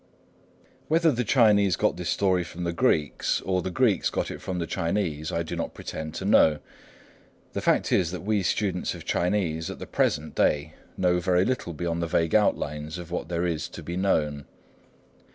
Whether the Chinese got this story from the Greeks, or the Greeks got it from the Chinese, I do not pretend to know. The fact is that we students of Chinese at the present day know very little beyond the vague outlines of what there is to be known.